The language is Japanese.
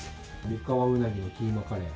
三河鰻のキーマカレー。